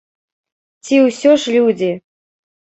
Ці ўсё ж людзі?